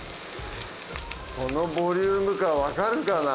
このボリューム感わかるかな？